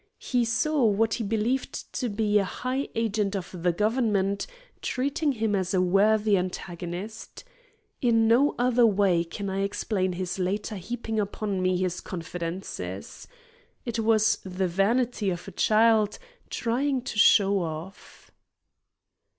He saw what he believed to be a high agent of the Government treating him as a worthy antagonist. In no other way can I explain his later heaping upon me his confidences. It was the vanity of a child trying to show off.